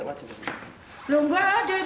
kalau pengen ngasih enggak wajib